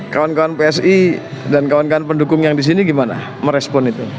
kawan kawan psi dan kawan kawan pendukung yang di sini gimana merespon itu